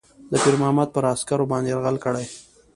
د پیرمحمد پر عسکرو باندي یرغل کړی.